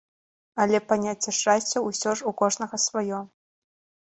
Але паняцце шчасця ўсё ж у кожнага сваё.